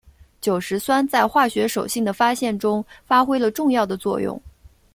酒石酸在化学手性的发现中发挥了重要的作用。